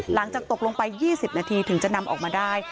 หลังจากตกลงไป๒๐นาทีถึงจะนำออกมาได้